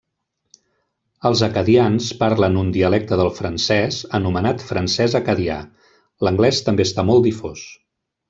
Els acadians parlen un dialecte del francès anomenat francès acadià; l'anglès també està molt difós.